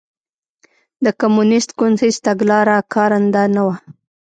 د کمونېست ګوند هېڅ تګلاره کارنده نه وه.